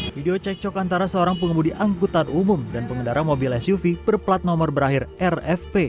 video cekcok antara seorang pengemudi angkutan umum dan pengendara mobil suv berplat nomor berakhir rfp